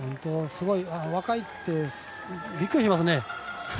若いってびっくりしますね。